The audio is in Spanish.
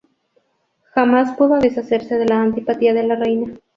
Jamás pudo deshacerse de la antipatía de la reina.